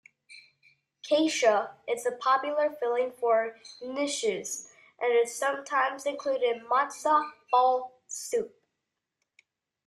Kasha is a popular filling for knishes and is sometimes included in matzah-ball soup.